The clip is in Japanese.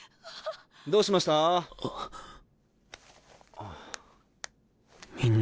どうしました？あっ。